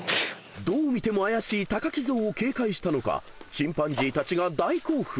［どう見ても怪しい木ゾウを警戒したのかチンパンジーたちが大興奮。